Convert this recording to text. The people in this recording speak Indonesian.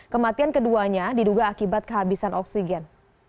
kematian keduanya diduga akibat kehabisan oksigen